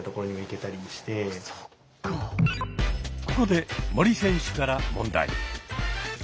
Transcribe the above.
ここで森選手から問題。